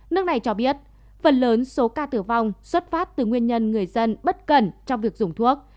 nước này cho biết phần lớn số ca tử vong xuất phát từ nguyên nhân người dân bất cẩn trong việc dùng thuốc